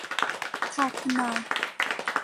থাক, না।